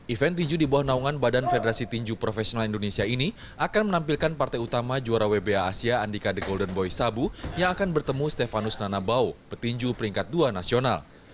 event tinju di bawah naungan badan federasi tinju profesional indonesia ini akan menampilkan partai utama juara wba asia andika the golden boy sabu yang akan bertemu stefanus nanabau petinju peringkat dua nasional